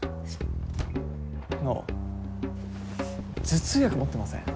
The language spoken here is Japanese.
頭痛薬持ってません？